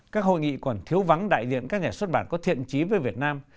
các hội nghị còn thiếu vắng đại diện các nhà xuất bản có thiện trí với việt nam